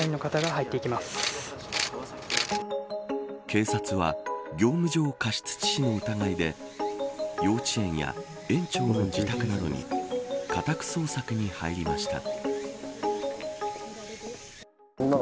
警察は業務上過失致死の疑いで幼稚園や園長の自宅など家宅捜索に入りました。